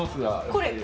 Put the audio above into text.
これ？